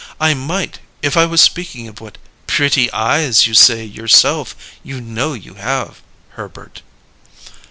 "I might, if I was speaking of what pretty eyes you say yourself you know you have, Herbert."